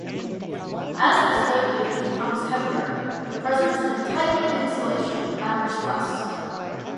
As the stud gauge becomes heavier, the presence and type of insulation matters less.